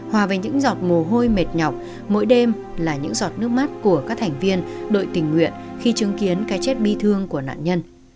hòa về những giọt mồ hôi mệt nhọc mỗi đêm là những giọt nước mắt của các thành viên đội tình nguyện khi chứng kiến cái chết bi thương của nạn nhân